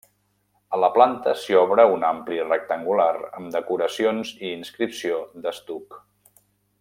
A la planta s'hi obre un ampli rectangular amb decoracions i inscripció d'estuc.